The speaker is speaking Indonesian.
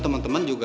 kalah mpengius ga